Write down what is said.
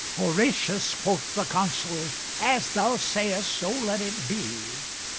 "Horatius," quoth the Consul, "As thou sayest, so let it be."